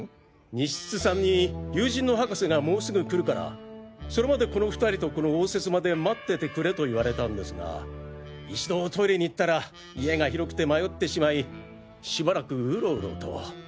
西津さんに「友人の博士がもうすぐ来るからそれまでこの２人とこの応接間で待っててくれ」と言われたんですが一度トイレに行ったら家が広くて迷ってしまいしばらくウロウロと。